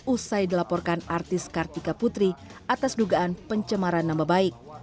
usai dilaporkan artis kartika putri atas dugaan pencemaran nama baik